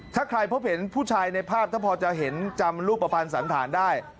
ถ้าใครพบเห็นผู้ชายในภาพถ้าพอจะเห็นจำรูปภัณฑ์สันฐานได้